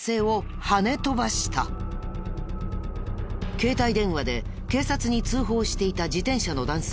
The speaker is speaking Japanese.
携帯電話で警察に通報していた自転車の男性。